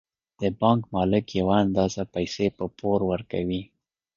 د بانک مالک یوه اندازه پیسې په پور ورکوي